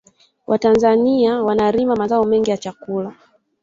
watanzania wanalima mazao mengi ya chakula